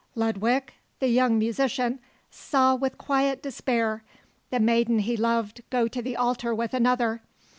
Ludwig, the young musician, saw with quiet despair the maiden he loved go to the altar with another.